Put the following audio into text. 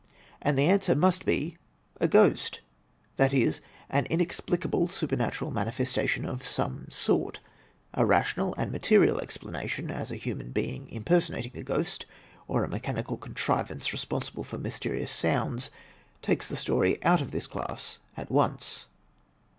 And the answer must be "A ghost/'* — that is, an inexplicable super natural manifestation of some sort. A rational and material explanation, as of a human being impersonating a ghost, or a mechanical contrivance responsible for mysterious soimds, takes the story out of this class at once.